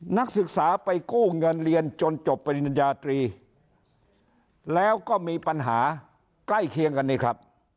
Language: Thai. นักศึกษาไปกู้เงินเรียนจนจบปริญญาตรีแล้วก็มีปัญหาใกล้เคียงกันนี่ครับ